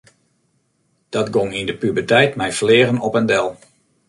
Dat gong yn de puberteit mei fleagen op en del.